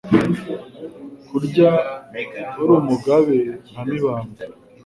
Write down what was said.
Kurya uri umugabe nka Mibambwe,